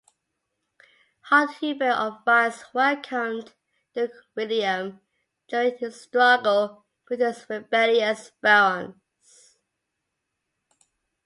Lord Hubert of Ryes welcomed Duke William during his struggle with his rebellious barons.